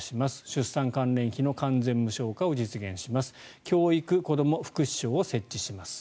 出産関連費の完全無償化を実現します。